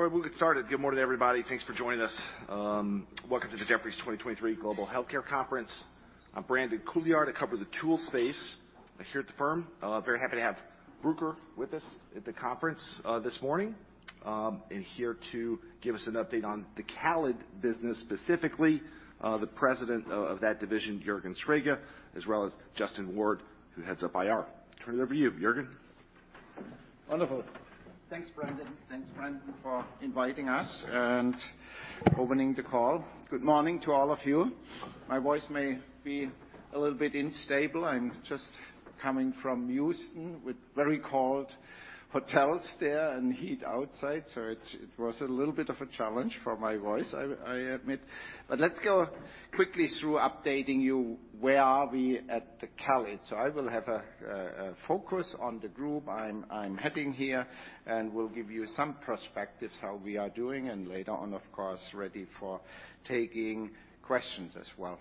All right, we'll get started. Good morning, everybody. Thanks for joining us. Welcome to the Jefferies 2023 Global Healthcare Conference. I'm Brandon Couillard. I cover the tool space here at the firm. Very happy to have Bruker with us at the conference this morning and here to give us an update on the CALID business specifically. The president of that division, Juergen Srega, as well as Justin Ward, who heads up IR. Turn it over to you, Juergen. Wonderful. Thanks, Brandon. Thanks, Brandon, for inviting us and opening the call. Good morning to all of you. My voice may be a little bit unstable. I'm just coming from Houston with very cold hotels there and heat outside, so it was a little bit of a challenge for my voice, I admit. But let's go quickly through updating you where are we at the CALID. So I will have a focus on the group I'm heading here and will give you some perspectives how we are doing and later on, of course, ready for taking questions as well.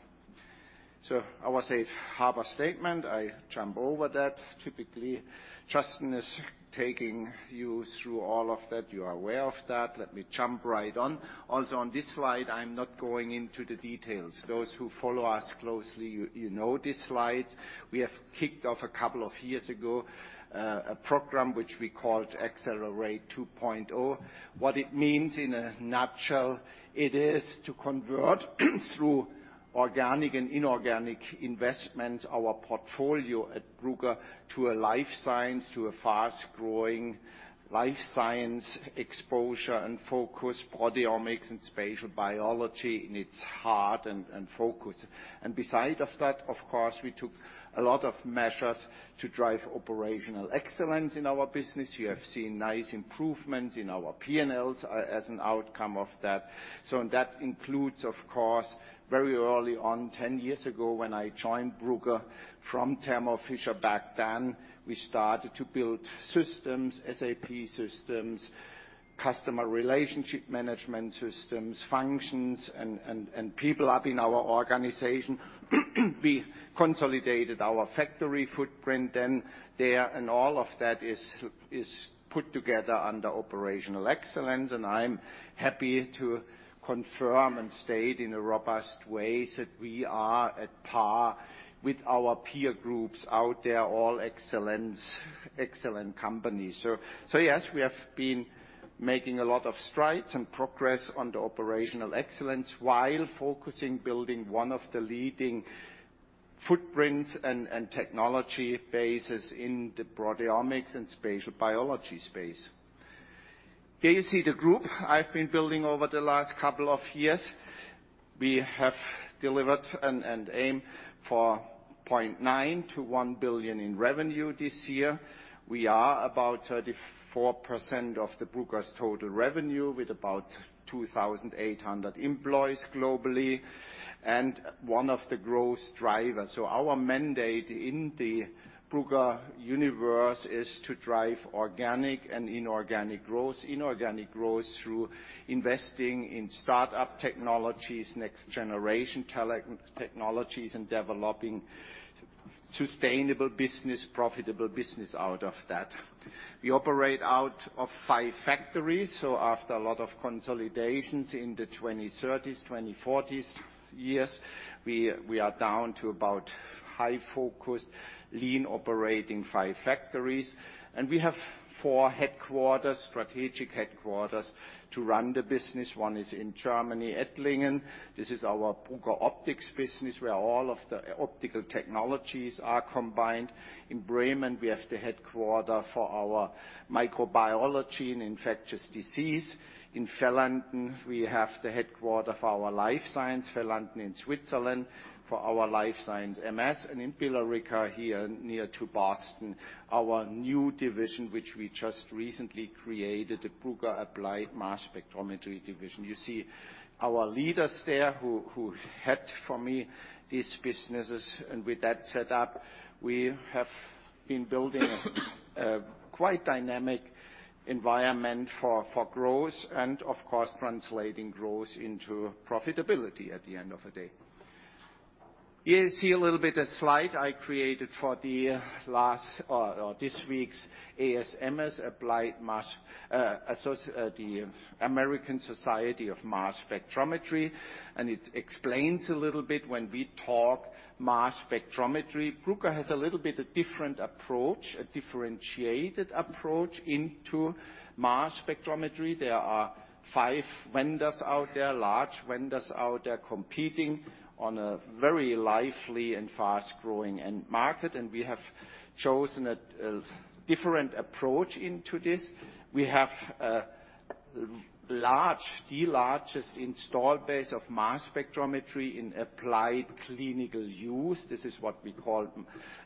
So I will say a harbor statement. I jump over that. Typically, Justin is taking you through all of that. You are aware of that. Let me jump right on. Also, on this slide, I'm not going into the details. Those who follow us closely, you know this slide. We have kicked off a couple of years ago a program which we called Accelerate 2.0. What it means in a nutshell, it is to convert through organic and inorganic investments, our portfolio at Bruker to a life science, to a fast-growing life science exposure and focus, proteomics and spatial biology in its heart and focus. And besides that, of course, we took a lot of measures to drive operational excellence in our business. You have seen nice improvements in our P&Ls as an outcome of that, so that includes, of course, very early on, 10 years ago when I joined Bruker from Thermo Fisher back then,. We started to build systems, SAP systems, customer relationship management systems, functions, and people up in our organization. We consolidated our factory footprint then there, and all of that is put together under operational excellence. And I'm happy to confirm and state in a robust way that we are at par with our peer groups out there, all excellent companies. So yes, we have been making a lot of strides and progress on the operational excellence while focusing on building one of the leading footprints and technology bases in the proteomics and spatial biology space. Here you see the group I've been building over the last couple of years. We have delivered an aim for $0.9-$1 billion in revenue this year. We are about 34% of Bruker's total revenue with about 2,800 employees globally and one of the growth drivers. So our mandate in the Bruker universe is to drive organic and inorganic growth, inorganic growth through investing in startup technologies, next-generation technologies, and developing sustainable business, profitable business out of that. We operate out of five factories. After a lot of consolidations in the 2010s, 2020s years, we are down to about highly focused, lean-operating five factories. We have four strategic headquarters to run the business. One is in Germany, Ettlingen. This is our Bruker Optics business where all of the optical technologies are combined. In Bremen we have the headquarters for our microbiology and infectious disease. In Fällanden, we have the headquarters for our life science, Fällanden in Switzerland, for our Life Science MS, and in Billerica here near Boston, our new division, which we just recently created, the Bruker Applied Mass Spectrometry division. You see our leaders there who head up these businesses for me. With that setup, we have been building a quite dynamic environment for growth and, of course, translating growth into profitability at the end of the day. Here you see a little bit of a slide I created for this week's ASMS, American Society for Mass Spectrometry. And it explains a little bit when we talk mass spectrometry. Bruker has a little bit of a different approach, a differentiated approach into mass spectrometry. There are five vendors out there, large vendors out there competing on a very lively and fast-growing market. And we have chosen a different approach into this. We have the largest install base of mass spectrometry in applied clinical use. This is what we call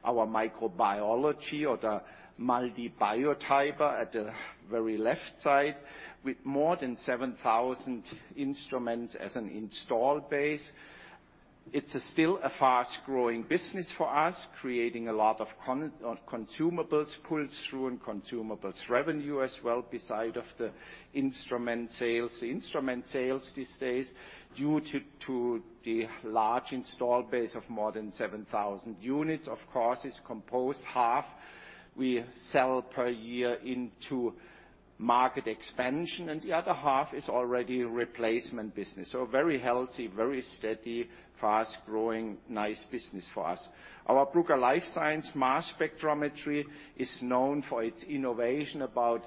our microbiology or the MALDI Biotyper at the very left side with more than 7,000 instruments as an install base. It's still a fast-growing business for us, creating a lot of consumables, pulled through and consumables revenue as well beside of the instrument sales. The instrument sales these days, due to the large installed base of more than 7,000 units, of course, is composed half we sell per year into market expansion, and the other half is already replacement business, so very healthy, very steady, fast-growing, nice business for us. Our Bruker Life Science Mass Spectrometry is known for its innovation. About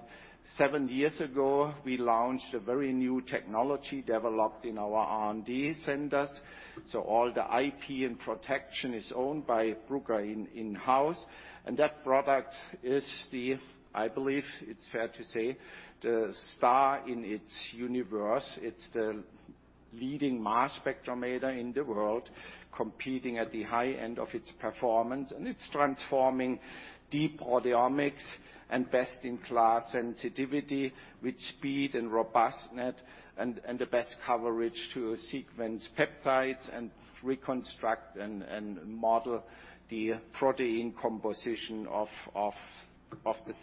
seven years ago, we launched a very new technology developed in our R&D centers. So all the IP and protection is owned by Bruker in-house. And that product is the, I believe it's fair to say, the star in its universe. It's the leading mass spectrometer in the world, competing at the high end of its performance, and it's transforming deep proteomics and best-in-class sensitivity with speed and robustness and the best coverage to sequence peptides and reconstruct and model the protein composition of the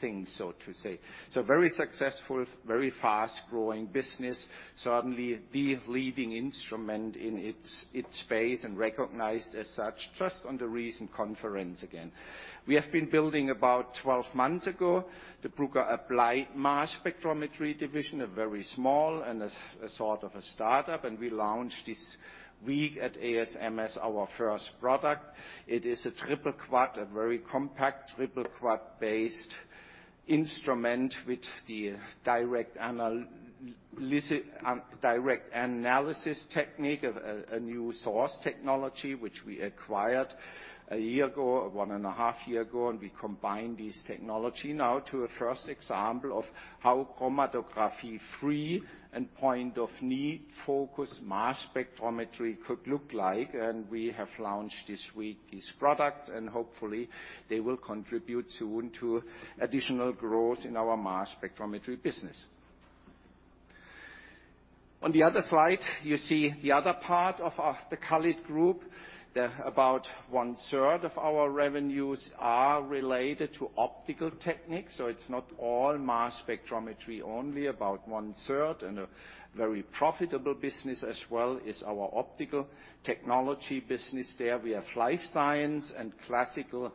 thing, so to say. So very successful, very fast-growing business, certainly the leading instrument in its space and recognized as such just on the recent conference again. We have been building about 12 months ago, the Bruker Applied Mass Spectrometry division, a very small and a sort of a startup. And we launched this week at ASMS our first product. It is a triple quad, a very compact triple quad-based instrument with the direct analysis technique, a new source technology which we acquired a year ago, one and a half years ago. And we combine these technologies now to a first example of how chromatography-free and point-of-need focus mass spectrometry could look like. And we have launched this week this product. And hopefully, they will contribute soon to additional growth in our mass spectrometry business. On the other slide, you see the other part of the CALID group. About one-third of our revenues are related to optical techniques. So it's not all mass spectrometry only. About one-third and a very profitable business as well is our optical technology business there. We have life science and classical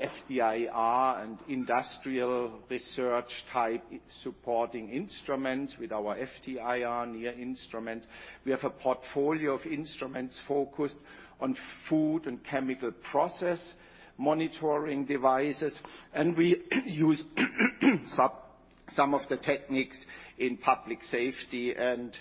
FTIR and industrial research type supporting instruments with our FTIR near instruments. We have a portfolio of instruments focused on food and chemical process monitoring devices. And we use some of the techniques in public safety and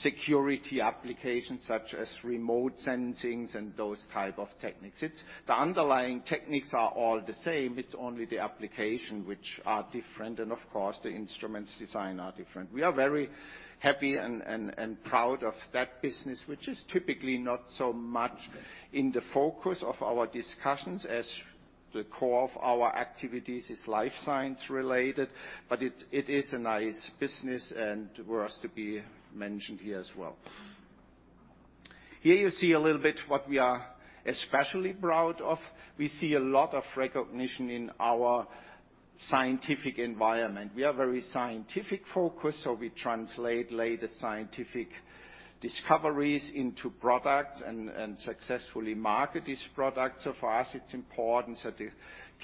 security applications such as remote sensing and those types of techniques. The underlying techniques are all the same. It's only the applications which are different. And of course, the instruments design are different. We are very happy and proud of that business, which is typically not so much in the focus of our discussions as the core of our activities is life science related. But it is a nice business and worth to be mentioned here as well. Here you see a little bit what we are especially proud of. We see a lot of recognition in our scientific environment. We are very scientific-focused. So we translate latest scientific discoveries into products and successfully market these products. So for us, it's important that the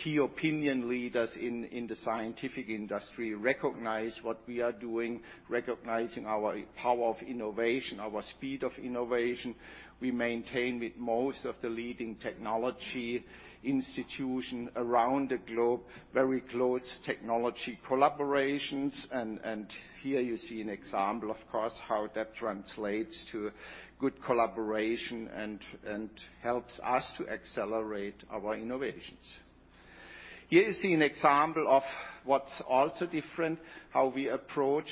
key opinion leaders in the scientific industry recognize what we are doing, recognizing our power of innovation, our speed of innovation. We maintain with most of the leading technology institutions around the globe very close technology collaborations. And here you see an example, of course, how that translates to good collaboration and helps us to accelerate our innovations. Here you see an example of what's also different, how we approach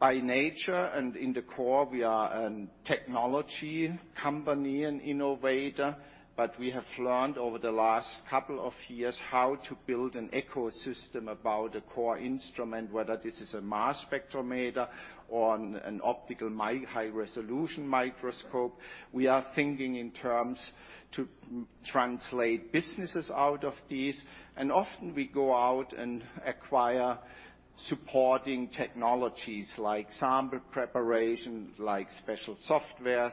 by nature. And in the core, we are a technology company and innovator. But we have learned over the last couple of years how to build an ecosystem about a core instrument, whether this is a mass spectrometer or an optical high-resolution microscope. We are thinking in terms to translate businesses out of these, and often we go out and acquire supporting technologies like sample preparation, like special softwares,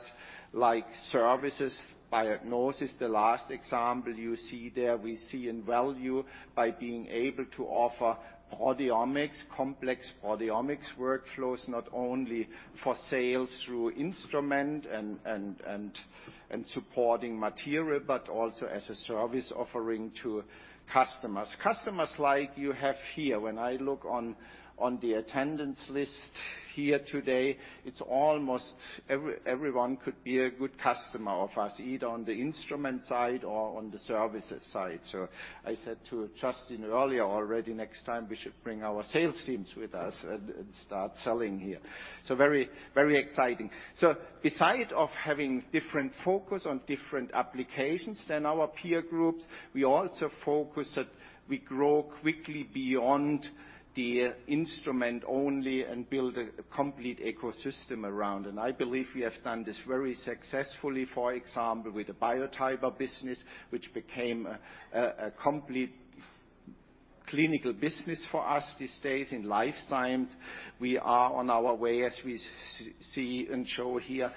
like services, Biognosys. The last example you see there, we see in value by being able to offer proteomics, complex proteomics workflows, not only for sales through instrument and supporting material, but also as a service offering to customers. Customers like you have here, when I look on the attendance list here today, it's almost everyone could be a good customer of us, either on the instrument side or on the services side, so I said to Justin earlier already, next time we should bring our sales teams with us and start selling here. So very exciting. So besides having different focus on different applications than our peer groups, we also focus that we grow quickly beyond the instrument only and build a complete ecosystem around. And I believe we have done this very successfully, for example, with the Biotyper business, which became a complete clinical business for us these days in life science. We are on our way, as we see and show here.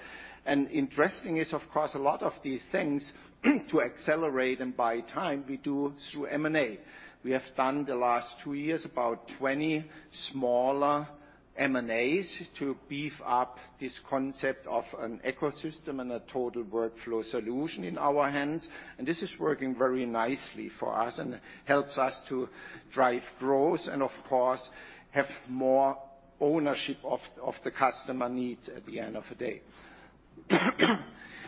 And interesting is, of course, a lot of these things to accelerate and by time we do through M&A. We have done the last two years about 20 smaller M&As to beef up this concept of an ecosystem and a total workflow solution in our hands. And this is working very nicely for us and helps us to drive growth and, of course, have more ownership of the customer needs at the end of the day.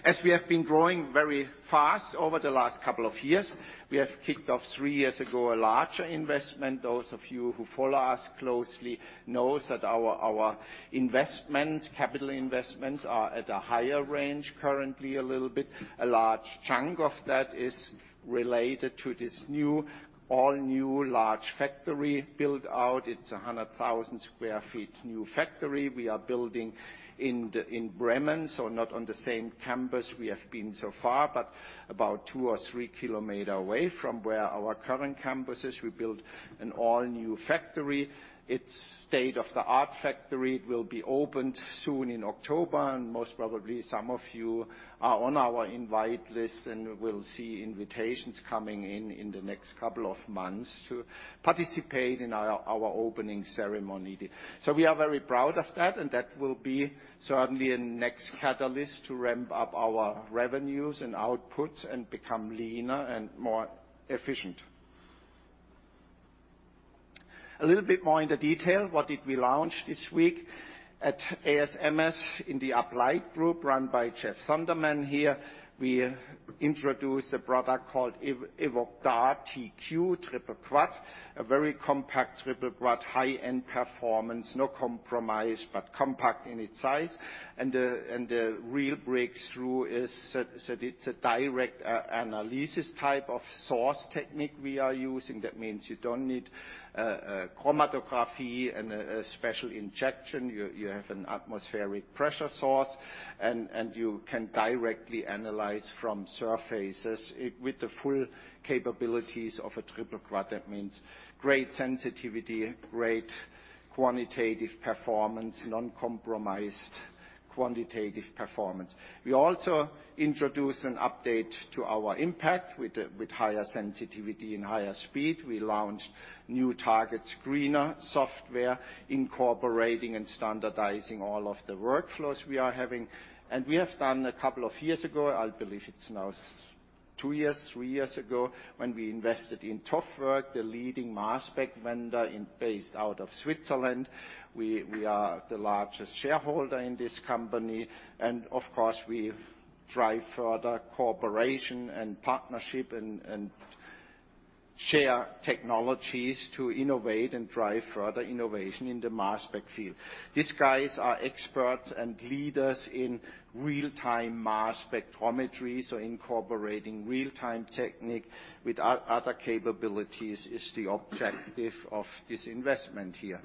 As we have been growing very fast over the last couple of years, we have kicked off three years ago a larger investment. Those of you who follow us closely know that our investments, capital investments, are at a higher range currently a little bit. A large chunk of that is related to this new, all-new large factory built out. It's a 100,000 sq ft new factory we are building in Bremen, so not on the same campus we have been so far, but about two or three kilometers away from where our current campus is. We built an all-new factory. It's state-of-the-art factory. It will be opened soon in October, and most probably some of you are on our invite list and we'll see invitations coming in in the next couple of months to participate in our opening ceremony, so we are very proud of that. That will be certainly a next catalyst to ramp up our revenues and outputs and become leaner and more efficient. A little bit more into detail, what did we launch this week at ASMS in the Applied Group run by Jeff Zonderman here? We introduced a product called EVOQ DART-TQ+, a very compact triple quad, high-end performance, no compromise, but compact in its size. The real breakthrough is that it's a direct analysis type of source technique we are using. That means you don't need chromatography and a special injection. You have an atmospheric pressure source. You can directly analyze from surfaces with the full capabilities of a triple quad. That means great sensitivity, great quantitative performance, non-compromised quantitative performance. We also introduced an update to our Impact with higher sensitivity and higher speed. We launched new TargetScreener software incorporating and standardizing all of the workflows we are having. And we have done a couple of years ago, I believe it's now two years, three years ago when we invested in TOFWERK, the leading mass spec vendor based out of Switzerland. We are the largest shareholder in this company. And of course, we drive further cooperation and partnership and share technologies to innovate and drive further innovation in the mass spec field. These guys are experts and leaders in real-time mass spectrometry. So incorporating real-time technique with other capabilities is the objective of this investment here.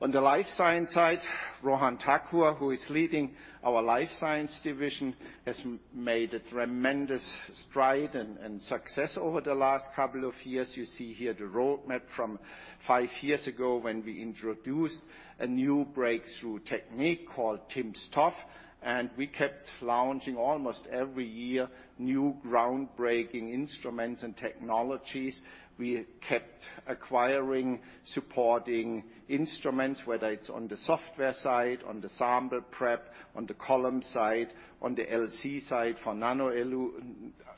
On the life science side, Rohan Thakur, who is leading our life science division, has made a tremendous stride and success over the last couple of years. You see here the roadmap from five years ago when we introduced a new breakthrough technique called timsTOF. And we kept launching almost every year new groundbreaking instruments and technologies. We kept acquiring, supporting instruments, whether it's on the software side, on the sample prep, on the column side, on the LC side for nano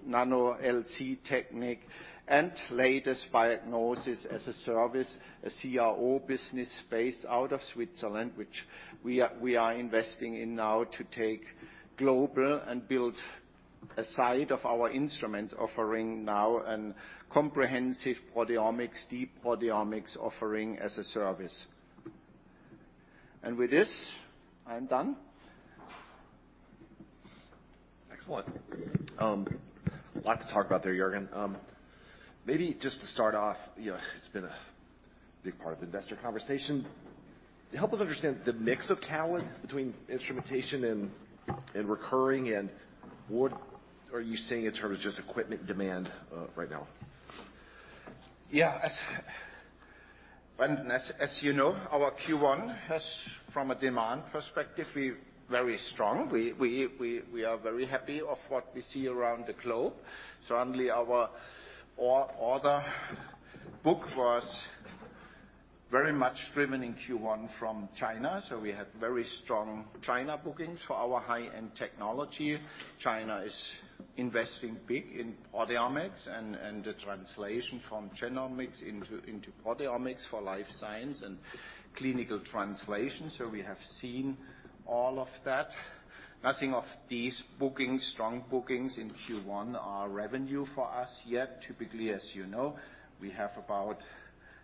LC technique, and latest Biognosys as a service, a CRO business based out of Switzerland, which we are investing in now to take global and build a suite of our instruments offering now a comprehensive proteomics, deep proteomics offering as a service. And with this, I'm done. Excellent. Lots to talk about there, Juergen. Maybe just to start off, it's been a big part of the investor conversation. Help us understand the mix of CALID between instrumentation and recurring. And what are you seeing in terms of just equipment demand right now? Yeah. As you know, our Q1 has, from a demand perspective, been very strong. We are very happy with what we see around the globe. Certainly, our order book was very much driven in Q1 from China. So we had very strong China bookings for our high-end technology. China is investing big in proteomics and the translation from genomics into proteomics for life science and clinical translation. So we have seen all of that. None of these bookings, strong bookings in Q1, are revenue for us yet. Typically, as you know, we have about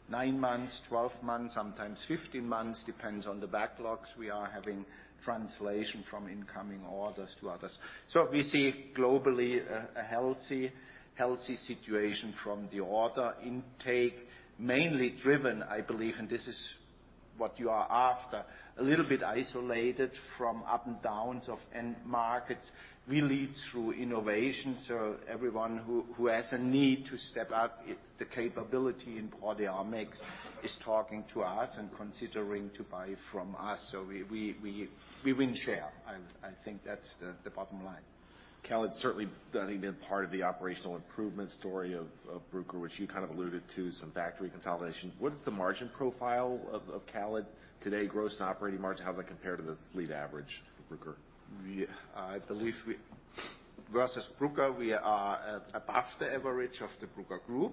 nine months, 12 months, sometimes 15 months, depends on the backlogs we are having, translation from incoming orders to revenue. So we see globally a healthy situation from the order intake, mainly driven, I believe, and this is what you are after, a little bit isolated from ups and downs of end markets. We lead through innovation. So everyone who has a need to step up the capability in proteomics is talking to us and considering to buy from us. So we win share. I think that's the bottom line. CALID's certainly been part of the operational improvement story of Bruker, which you kind of alluded to, some factory consolidation. What is the margin profile of CALID today, gross and operating margin? How does that compare to the overall average for Bruker? I believe versus Bruker, we are above the average of the Bruker Group,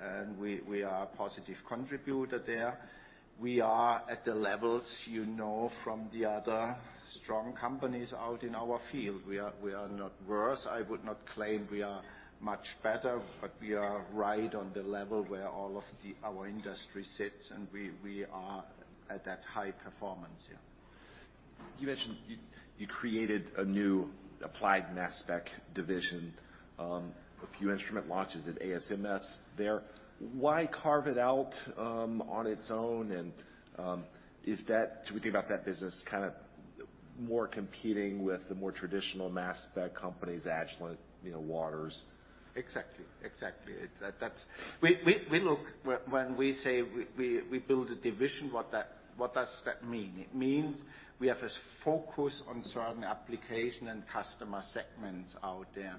and we are a positive contributor there. We are at the levels you know from the other strong companies out in our field. We are not worse. I would not claim we are much better, but we are right on the level where all of our industry sits, and we are at that high performance here. You mentioned you created a new applied mass spec division, a few instrument launches at ASMS there. Why carve it out on its own? And should we think about that business kind of more competing with the more traditional mass spec companies, Agilent, Waters? Exactly. Exactly. When we say we build a division, what does that mean? It means we have a focus on certain application and customer segments out there.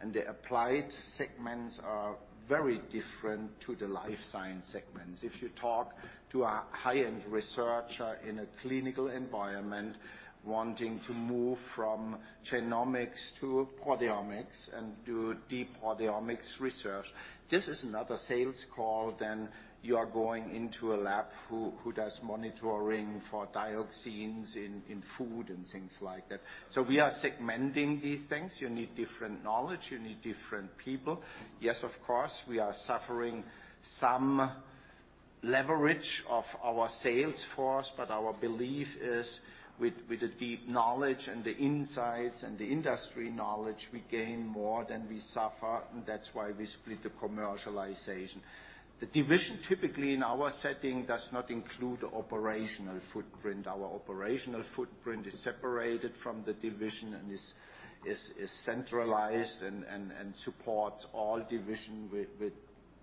And the applied segments are very different from the life science segments. If you talk to a high-end researcher in a clinical environment wanting to move from genomics to proteomics and do deep proteomics research, this is not a sales call. Then you are going into a lab who does monitoring for dioxins in food and things like that. So we are segmenting these things. You need different knowledge. You need different people. Yes, of course, we are suffering some leverage of our sales force. But our belief is with the deep knowledge and the insights and the industry knowledge, we gain more than we suffer. And that's why we split the commercialization. The division typically, in our setting, does not include the operational footprint. Our operational footprint is separated from the division and is centralized and supports all divisions with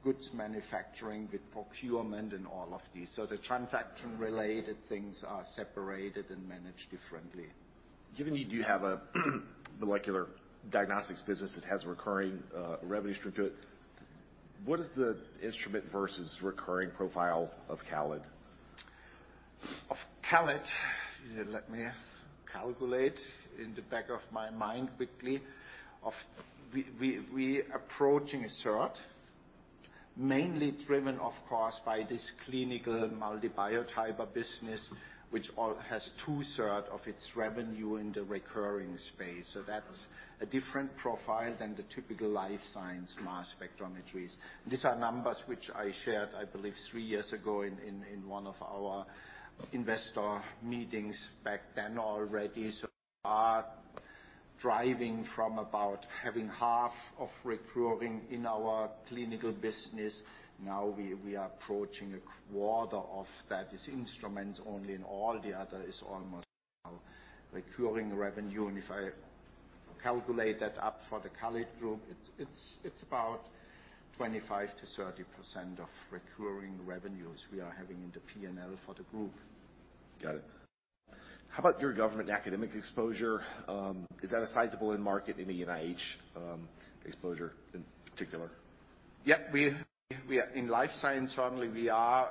goods manufacturing, with procurement, and all of these, so the transaction-related things are separated and managed differently. Given you do have a molecular diagnostics business that has a recurring revenue stream to it, what is the instrument versus recurring profile of CALID? Of CALID, let me calculate in the back of my mind quickly. We are approaching a third, mainly driven, of course, by this clinical MALDI Biotyper business, which has two-thirds of its revenue in the recurring space. So that's a different profile than the typical life science mass spectrometry. And these are numbers which I shared, I believe, three years ago in one of our investor meetings back then already. So we are driving from about having half of recurring in our clinical business. Now we are approaching a quarter of that is instruments only, and all the other is almost recurring revenue. And if I calculate that up for the CALID group, it's about 25%-30% of recurring revenues we are having in the P&L for the group. Got it. How about your government academic exposure? Is that a sizable end market in the NIH exposure in particular? Yeah. In life science, certainly, we are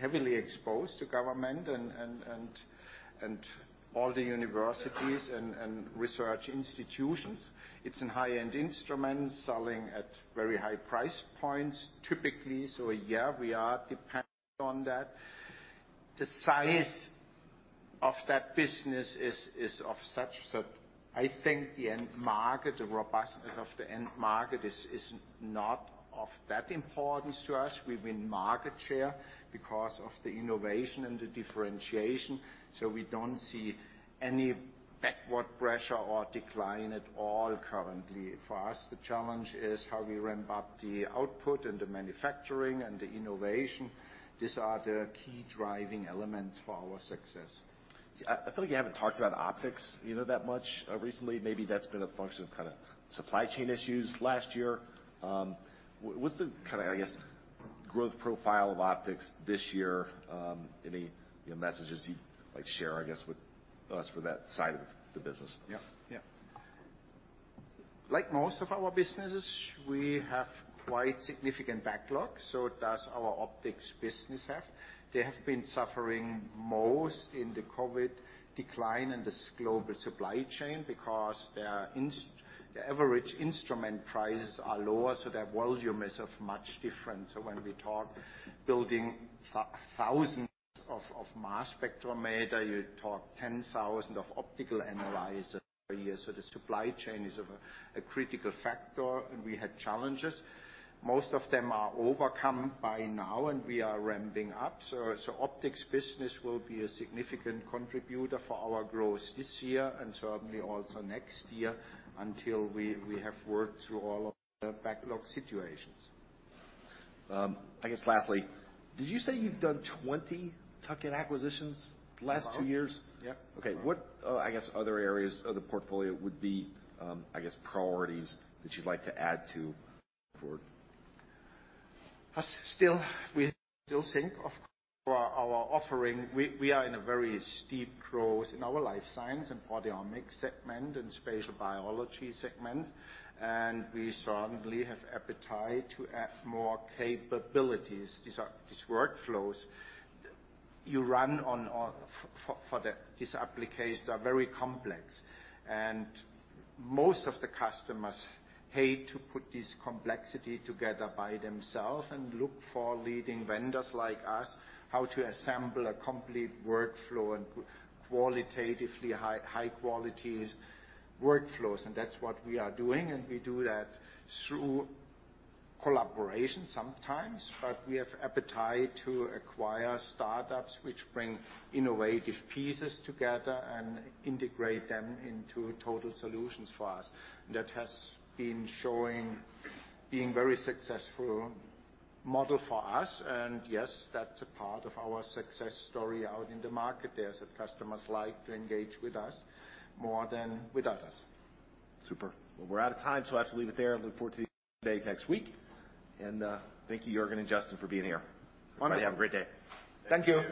heavily exposed to government and all the universities and research institutions. It's in high-end instruments selling at very high price points typically. So yeah, we are dependent on that. The size of that business is of such that I think the end market, the robustness of the end market, is not of that importance to us. We win market share because of the innovation and the differentiation. So we don't see any backward pressure or decline at all currently. For us, the challenge is how we ramp up the output and the manufacturing and the innovation. These are the key driving elements for our success. I feel like you haven't talked about optics that much recently. Maybe that's been a function of kind of supply chain issues last year. What's the kind of, I guess, growth profile of optics this year? Any messages you'd like to share, I guess, with us for that side of the business? Yeah. Yeah. Like most of our businesses, we have quite significant backlog, so does our optics business have. They have been suffering most in the COVID decline and this global supply chain because the average instrument prices are lower, so their volume is of much different, so when we talk building thousands of mass spectrometers, you talk 10,000 of optical analyzers per year, so the supply chain is a critical factor, and we had challenges. Most of them are overcome by now, and we are ramping up, so optics business will be a significant contributor for our growth this year and certainly also next year until we have worked through all of the backlog situations. I guess lastly, did you say you've done 20 tuck-in acquisitions the last two years? Yeah. Yeah. Okay. What, I guess, other areas of the portfolio would be, I guess, priorities that you'd like to add to Bruker? We still think of our offering. We are in a very steep growth in our life science and proteomics segment and spatial biology segment, and we certainly have appetite to add more capabilities. These workflows you run for these applications are very complex, and most of the customers hate to put this complexity together by themselves and look for leading vendors like us, how to assemble a complete workflow and qualitatively high-quality workflows. And that's what we are doing, and we do that through collaboration sometimes, but we have appetite to acquire startups which bring innovative pieces together and integrate them into total solutions for us, and that has been showing being a very successful model for us. And yes, that's a part of our success story out in the market. There's customers like to engage with us more than with others. Super. Well, we're out of time. So I have to leave it there. Look forward to the day next week. And thank you, Juergen and Justin, for being here. Wonderful. Have a great day. Thank you.